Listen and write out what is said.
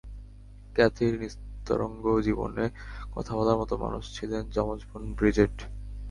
ক্যাথির নিস্তরঙ্গ জীবনে কথা বলার মতো মানুষ ছিলেন যমজ বোন ব্রিজেট।